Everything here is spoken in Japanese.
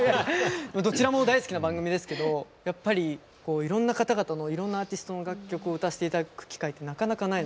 どちらも大好きな番組ですけどやっぱりいろんな方々のいろんなアーティストの楽曲を歌わせて頂く機会ってなかなかないので。